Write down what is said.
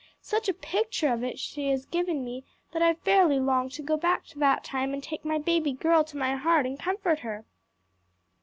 Such a picture of it has she given me that I fairly long to go back to that time and take my baby girl to my heart and comfort her."